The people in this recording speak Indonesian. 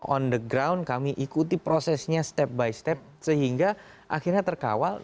on the ground kami ikuti prosesnya step by step sehingga akhirnya terkawal